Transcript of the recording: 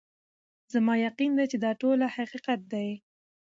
زما یقین دی چي دا ټوله حقیقت دی